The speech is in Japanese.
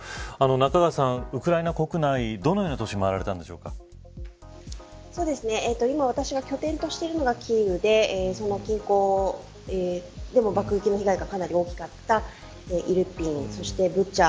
中川さん、ウクライナ国内どのような都市を今、私が拠点としているのがキーウでその近郊でも爆撃の被害が大きかったイルピン、そしてブチャ